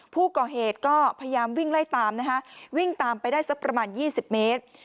ผู้ก่อเหตุก็พยายามวิ่งไล่ตามนะฮะวิ่งตามไปได้สักประมาณ๒๐เมตร